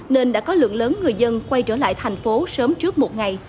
nên đã có lượng lớn người dân quay trở lại thành phố sớm trước một ngày